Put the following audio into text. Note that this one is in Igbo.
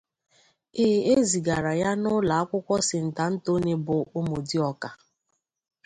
E ezigara ya n'ụlọ akwụkwọ St. Anthony bụ Umudioka.